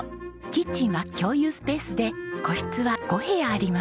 キッチンは共有スペースで個室は５部屋あります。